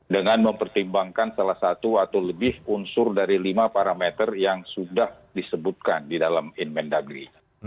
dengan mempertimbangkan salah satu atau lebih unsur dari lima parameter yang sudah disebutkan di dalam inmen dagri